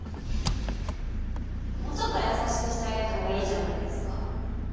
もうちょっと優しくしてあげてもいいじゃないですか。